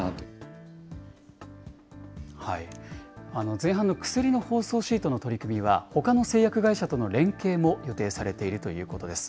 前半の薬の包装シートの取り組みは、ほかの製薬会社との連携も予定されているということです。